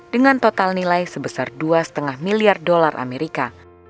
dengan total nilai sebesar dua lima miliar dolar amerika